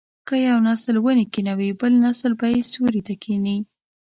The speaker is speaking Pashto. که یو نسل ونې کینوي بل نسل به یې سیوري ته کیني.